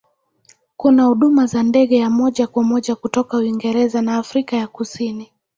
Kuna huduma za ndege ya moja kwa moja kutoka Uingereza na Afrika ya Kusini.